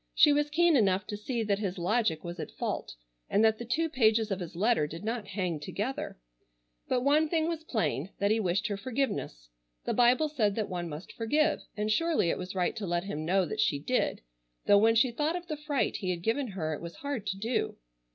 She was keen enough to see that his logic was at fault, and that the two pages of his letter did not hang together, but one thing was plain, that he wished her forgiveness. The Bible said that one must forgive, and surely it was right to let him know that she did, though when she thought of the fright he had given her it was hard to do.